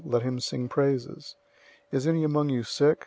Let him sing praises. 005:014 Is any among you sick?